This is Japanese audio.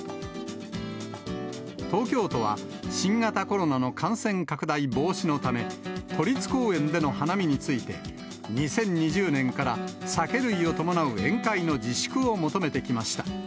東京都は新型コロナの感染拡大防止のため、都立公園での花見について、２０２０年から酒類を伴う宴会の自粛を求めてきました。